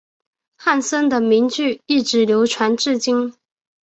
汉森的名句一直流传至今。